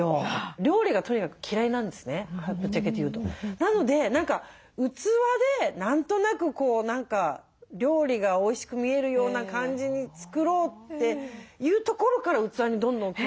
なので何か器で何となく何か料理がおいしく見えるような感じに作ろうというところから器にどんどん興味が湧いてきて。